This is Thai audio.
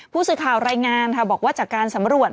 ผู้สื่อข่าวรายงานบอกว่าจากการสำรวจ